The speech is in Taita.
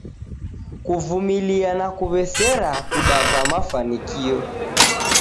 Kuvumlia na kuw'esera kudava mafanikio.